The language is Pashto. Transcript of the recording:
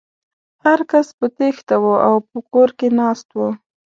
هر کس په تېښته و او په کور کې ناست و.